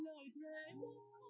làm bằng chuyện giúp đỡ